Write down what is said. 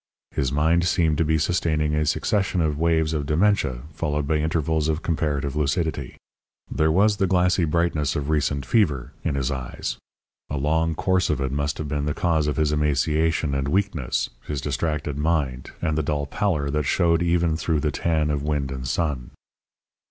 His mind seemed to be sustaining a succession of waves of dementia followed by intervals of comparative lucidity. There was the glassy brightness of recent fever in his eyes. A long course of it must have been the cause of his emaciation and weakness, his distracted mind, and the dull pallor that showed even through the tan of wind and sun.